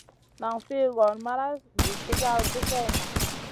Nan fi gor mara zi sigar buseyna.